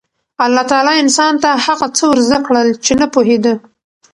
الله تعالی انسان ته هغه څه ور زده کړل چې نه پوهېده.